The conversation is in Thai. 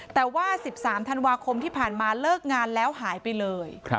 แต่ว่า๑๓ธันวาคมที่ผ่านมาเลิกงานแล้วหายไปเลย